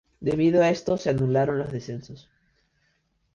Debido a esto se anularon los descensos.